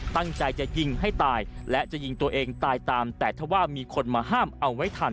ตั้งใจจะยิงให้ตายและจะยิงตัวเองตายตามแต่ถ้าว่ามีคนมาห้ามเอาไว้ทัน